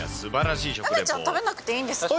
梅ちゃん、食べなくていいんですか。